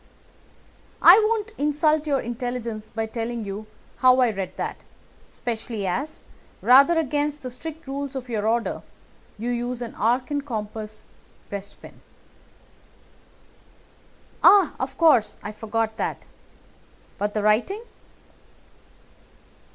"I won't insult your intelligence by telling you how I read that, especially as, rather against the strict rules of your order, you use an arc and compass breastpin." "Ah, of course, I forgot that. But the writing?"